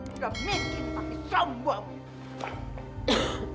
sudah mikir pakai sombong